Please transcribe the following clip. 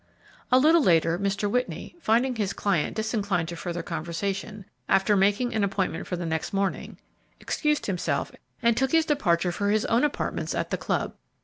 A little later, Mr. Whitney, finding his client disinclined to further conversation, after making an appointment for the next morning, excused himself and took his departure for his own apartments at the club.